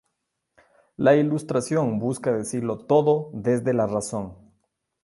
La Ilustración busca decirlo todo desde la razón.